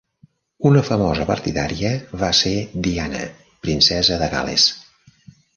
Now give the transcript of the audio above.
Una famosa partidària va ser Diana, Princesa de Gal·les.